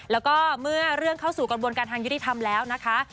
แล้วก็เมื่อเรื่องเข้าสู่กระบวนการทางยุติธรรมแล้วนะคะ